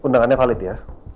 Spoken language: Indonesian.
undangannya valid ya